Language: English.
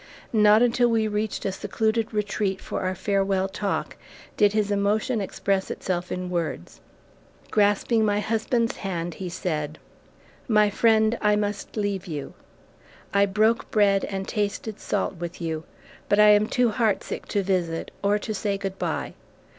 Not until we reached a secluded retreat for our farewell talk, did his emotion express itself in words. Grasping my husband's hand he said: "My friend, I must leave you. I broke bread and tasted salt with you, but I am too heartsick to visit, or to say good bye.